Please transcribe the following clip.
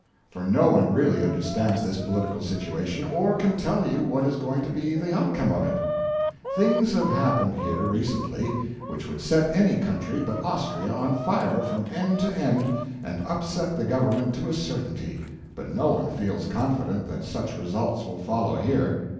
For no one really understands this political situation, or can tell you what is going to be the outcome of it. Things have happened here recently which would set any country but Austria on fire from end to end, and upset the Government to a certainty; but no one feels confident that such results will follow here.